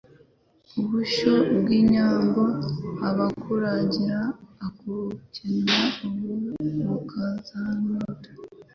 ubushyo bw'inyambo akaburagira, akabukenura bukazarinda